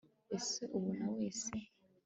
ese ubona wese